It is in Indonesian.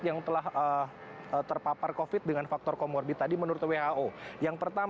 yang telah terpapar covid sembilan belas dengan faktor comorbid tadi menurut who ini adalah tingkat yang lebih tinggi